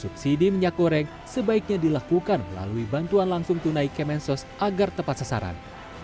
subsidi minyak goreng sebaiknya dilakukan melalui bantuan langsung tunai kemensos agar tepat sasaran